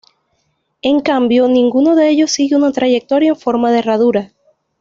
En cambio, ninguno de ellos sigue una trayectoria con forma de herradura.